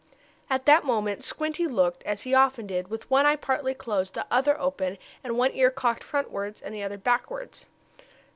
At that moment Squinty looked up, as he often did, with one eye partly closed, the other open, and with one ear cocked frontwards, and the other backwards.